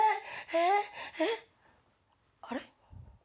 え⁉えっ⁉あれ？